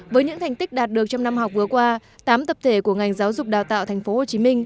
với những thành tích đạt được trong năm học vừa qua tám tập thể của ngành giáo dục đào tạo tp hcm